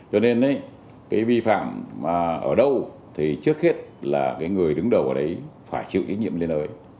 cho nên cái vi phạm ở đâu thì trước hết là cái người đứng đầu ở đấy phải chịu trách nhiệm lên ơi